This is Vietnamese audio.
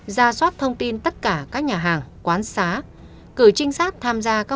ra soát thông tin tất cả các nhà hàng quán xá